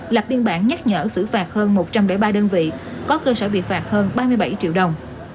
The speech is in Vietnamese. lập biên bản nhắc nhở xử phạt hơn một trăm linh ba đơn vị có cơ sở bị phạt hơn ba mươi bảy triệu đồng